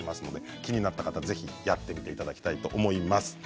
気になった方はやっていただきたいと思います。